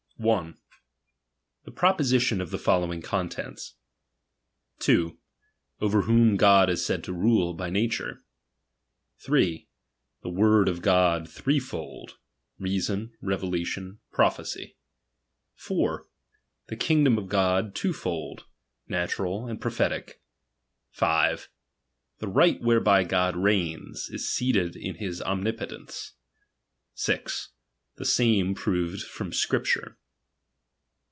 1. Tiie proposition of the following contents. 2. Over whom God is said to rule by nature. 3. The word of God threefold ; reason, revelatioD, prophecy. 4. The kiogdom of God two fold i natural, and prophetic. 5. Tha ri^ht whereby God reigns, ia seated in his omnipotence. 6. The same proved from Scripture.